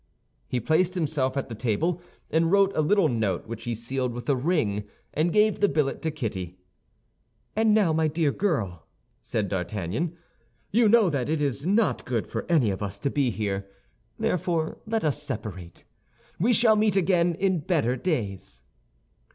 He placed himself at the table and wrote a little note which he sealed with a ring, and gave the billet to Kitty. "And now, my dear girl," said D'Artagnan, "you know that it is not good for any of us to be here. Therefore let us separate. We shall meet again in better days."